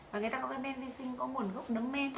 và người ta gọi là men vi sinh có nguồn gốc nấm men